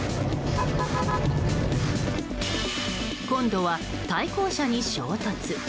今度は対向車に衝突。